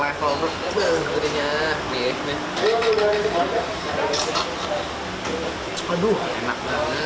waduh enak banget